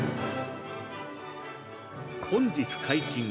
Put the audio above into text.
「本日解禁！